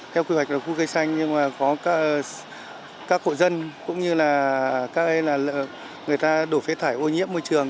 theo quy hoạch khu cây xanh nhưng mà có các hộ dân cũng như là các người ta đổ phế thải ô nhiễm môi trường